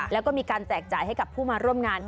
แล้วก็มีการแจกจ่ายให้กับผู้มาร่วมงาน